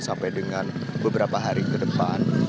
sampai dengan beberapa hari ke depan